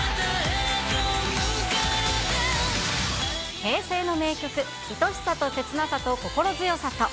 平成の名曲、愛しさとせつなさと心強さと。